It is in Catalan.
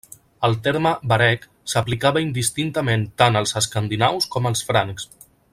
El terme vareg s’aplicava indistintament tant als escandinaus com als francs.